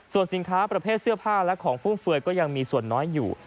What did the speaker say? ส่วนสินค้าประเภทเสื้อผ้าและของฟุ่มเฟือยก็ยังมีส่วนน้อยอยู่